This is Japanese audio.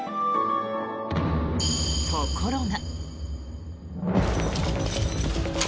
ところが。